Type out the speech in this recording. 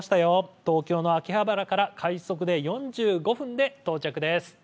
東京の秋葉原から快速で４５分です。